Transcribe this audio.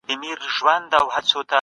آيا ازادي د ځان وژني مخه نيسي؟